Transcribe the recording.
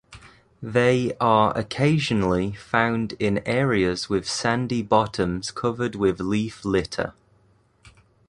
They are occasionally found in areas with sandy bottoms covered with leaf litter.